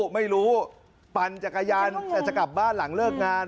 ไม่รู้ปั่นจักรยานแต่จะกลับบ้านหลังเลิกงาน